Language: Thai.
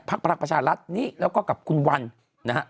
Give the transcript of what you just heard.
ภักดิ์ภักดิ์ประชาลรัฐนี้แล้วก็กับคุณวันนะฮะ